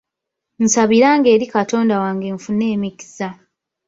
Nsabiranga eri Katonda wange nfune emikisa.